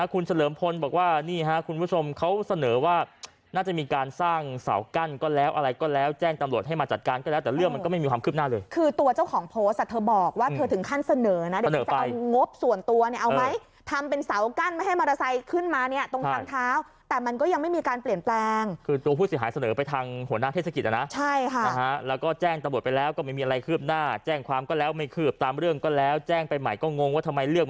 คุณเสลิมพลบอกว่านี่คุณผู้ชมเขาเสนอว่าน่าจะมีการสร้างเสากั้นก็แล้วอะไรก็แล้วแจ้งตำรวจให้มาจัดการก็แล้วแต่เรื่องมันก็ไม่มีความคืบหน้าเลยคือตัวเจ้าของโพสต์เธอบอกว่าเธอถึงขั้นเสนอนะเสนอไปงบส่วนตัวเนี่ยเอาไหมทำเป็นเสากั้นให้มอเตอร์ไซค์ขึ้นมาเนี่ยตรงทางเท้าแต่มันก็ยังไม่มีการ